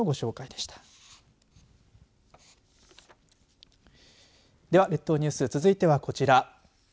では、列島ニュース続いてはこちら。